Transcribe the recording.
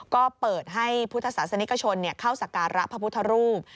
ก็เปิดให้พุทธศาสนิกชนเข้าสการะพระพุทธรูป